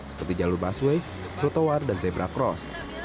seperti jalur busway trotoar dan zebra cross